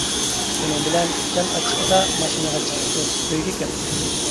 شۇنىڭ بىلەن جان ئاچچىقىدا ماشىنىغا چىقىپتۇ-ئۆيگە كەپتۇ.